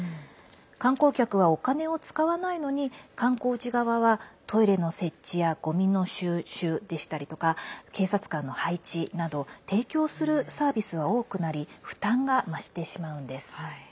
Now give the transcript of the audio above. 観光客はお金を使わないのに観光地側はトイレの設置やごみの収集でしたりとか警察官の配置など提供するサービスは多くなり負担が増してしまうんです。